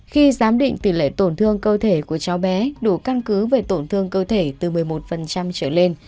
khi giám định tỷ lệ tổn thương cơ thể của cháu bé đủ căn cứ về tổn thương cơ thể từ một mươi một trở lên